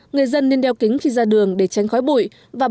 người dân nên đeo kính khi ra đường để tránh khói bụi